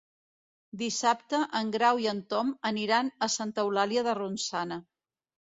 Dissabte en Grau i en Tom aniran a Santa Eulàlia de Ronçana.